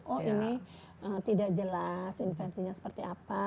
oh ini tidak jelas invensinya seperti apa